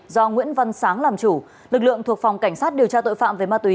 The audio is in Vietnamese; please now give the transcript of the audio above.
do nguyễn văn sáng làm chủ lực lượng thuộc phòng cảnh sát điều tra tội phạm về ma túy